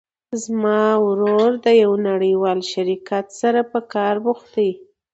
زما ورور د یو نړیوال شرکت سره په کار بوخت ده